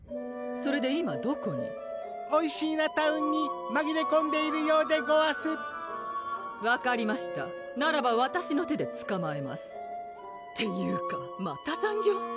それで今どこにおいしーなタウンにまぎれこんでいるようでごわす分かりましたならばわたしの手でつかまえますっていうかまた残業？